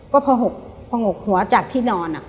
ก็พองกหัวจากที่นอน